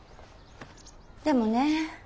でもね